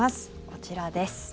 こちらです。